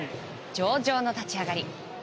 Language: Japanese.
上々の立ち上がり。